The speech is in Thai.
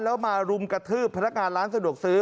แล้วมารุมกระทืบพนักงานร้านสะดวกซื้อ